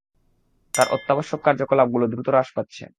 তার অত্যাবশক কার্যকলাপগুলো দ্রুত হ্রাস পাচ্ছে।